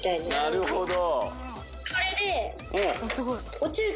なるほど！